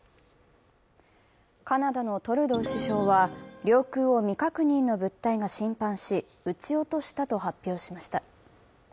カナダのトルドー首相は、領空を未確認の物体が侵犯し、撃ち落としたと発表しました。